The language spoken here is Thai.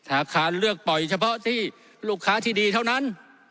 อาคารเลือกปล่อยเฉพาะที่ลูกค้าที่ดีเท่านั้น